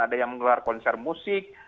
ada yang menggelar konser musik